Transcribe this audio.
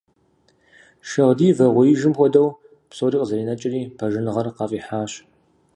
Шагъдий вагъуэижым хуэдэу псори къызэринэкӀри, пашэныгъэр къафӀихьащ.